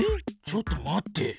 ちょっと待って。